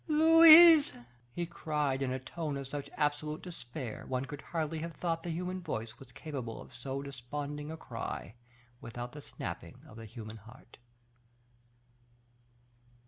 "Louise!" he cried, in a tone of such absolute despair, one could hardly have thought the human voice was capable of so desponding a cry, without the snapping of the human heart.